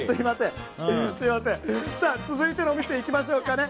続いてのお店行きましょうかね。